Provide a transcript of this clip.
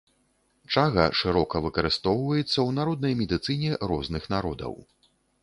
Чага шырока выкарыстоўваецца ў народнай медыцыне розных народаў.